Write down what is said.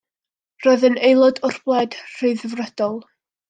Roedd yn aelod o'r Blaid Ryddfrydol.